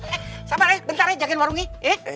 eh sabar ya bentar ya jagain warungnya